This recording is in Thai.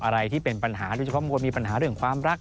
อะไรที่เป็นปัญหาโดยเฉพาะมวลมีปัญหาเรื่องความรัก